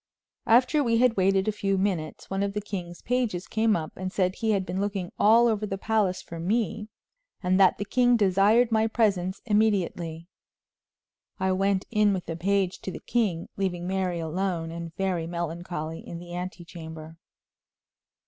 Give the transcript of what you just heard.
After we had waited a few minutes, one of the king's pages came up and said he had been looking all over the palace for me, and that the king desired my presence immediately. I went in with the page to the king, leaving Mary alone and very melancholy in the ante chamber.